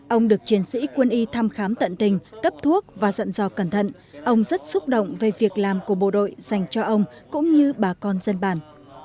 ông được chiến sĩ quân y thăm khám tận tình cấp thuốc và dặn dò cẩn thận ông rất xúc động về việc làm của bộ đội dành cho ông cũng như bà con dân bản